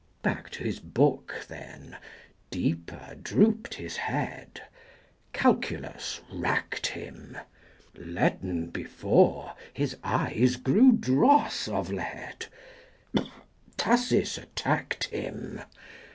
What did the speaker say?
Back to his book then: deeper drooped his head: 85 Calculus racked him: Leaden before, his eyes grew dross of lead: Tussis attacked him.